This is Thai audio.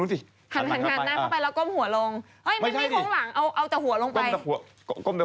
คุณไปยืนข้างเลย